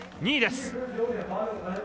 ２位です。